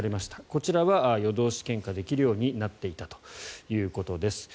こちらは夜通し献花できるようになっていたということです。